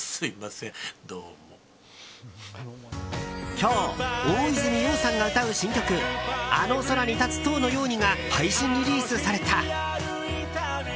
今日、大泉洋さんが歌う新曲「あの空に立つ塔のように」が配信リリースされた。